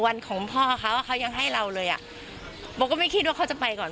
ของพ่อเขาเขายังให้เราเลยอ่ะโบก็ไม่คิดว่าเขาจะไปก่อน